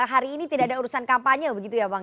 hari ini tidak ada urusan kampanye begitu ya bang